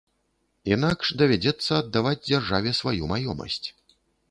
Інакш давядзецца аддаваць дзяржаве сваю маёмасць.